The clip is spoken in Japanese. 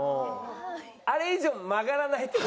あれ以上曲がらないって事？